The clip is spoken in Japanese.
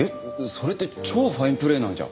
それって超ファインプレーなんじゃ。